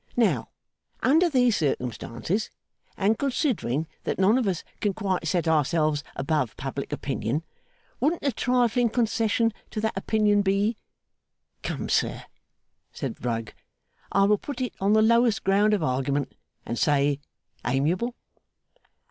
Now under these circumstances, and considering that none of us can quite set ourselves above public opinion, wouldn't a trifling concession to that opinion be Come, sir,' said Rugg, 'I will put it on the lowest ground of argument, and say, Amiable?